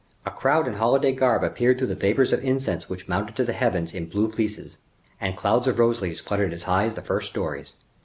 A crowd in holiday garb appeared through the vapors of incense which mounted to the heavens in blue fleeces, and clouds of rose leaves fluttered as high as the first stories.